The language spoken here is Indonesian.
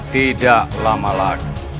tidak lama lagi